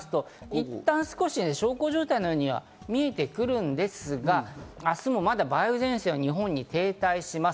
いったん少し小康状態のようには見えてくるんですが、明日も梅雨前線が日本に停滞します。